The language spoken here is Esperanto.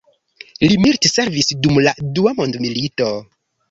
Li militservis dum la Dua Mondmilito.